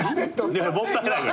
もったいないから。